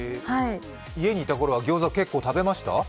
家にいたころはギョーザは結構食べました？